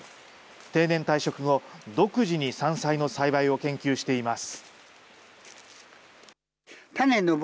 定年退職後、独自に山菜の栽培を研究しています。